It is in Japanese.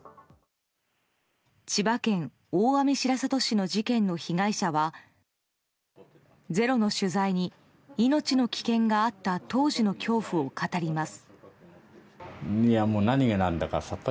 千葉県大網白里市の事件の被害者は「ｚｅｒｏ」の取材に命の危険があった当時の恐怖を語ります。